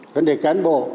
vấn đề cán bộ